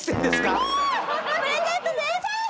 プレゼントです！